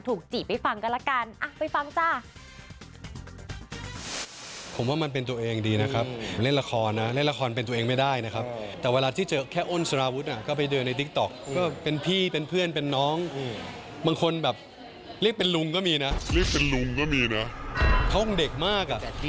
ที่ว่าการถูกจีบให้ฟังก็ละกันไปฟังจ้า